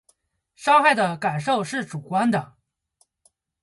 伤害的感受是主观的